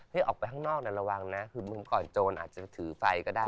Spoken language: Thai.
ออกไปข้างนอกระวังนะคือเมื่อก่อนโจรอาจจะถือไฟก็ได้